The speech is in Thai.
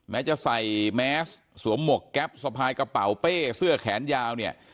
แม้จะใส่แมสสวมหมวกแก๊ปสะพายกระเป๋าเป้เสื้อแขนยาวเนี่ย